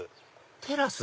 テラス？